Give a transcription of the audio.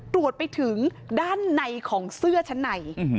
ตรวจไปถึงด้านในของเสื้อชั้นใน